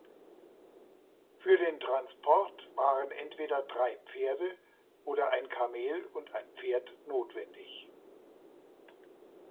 Für den Transport waren entweder drei Pferde oder ein Kamel und ein Pferd notwendig.